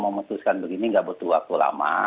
memutuskan begini gak butuh waktu lama